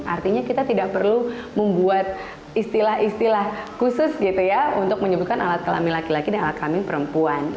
artinya kita tidak perlu membuat istilah istilah khusus gitu ya untuk menyebutkan alat kelamin laki laki dan alat kelamin perempuan